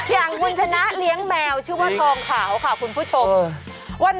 อย่างคุณชนะเลี้ยงแมวชื่อว่าทองขาวค่ะคุณผู้ชม